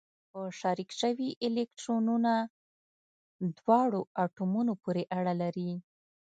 په شریک شوي الکترونونه دواړو اتومونو پورې اړه لري.